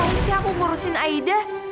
apa isi aku ngurusin aida